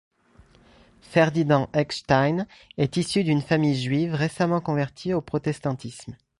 Ferdinand Eckstein est issu d'une famille juive récemment convertie au protestantisme.